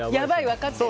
分かってる。